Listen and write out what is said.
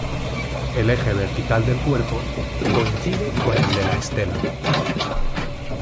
El eje vertical del cuerpo coincide con el de la estela.